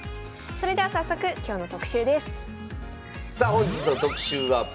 それでは早速今日の特集です。